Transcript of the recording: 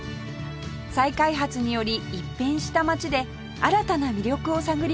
再開発により一変した街で新たな魅力を探ります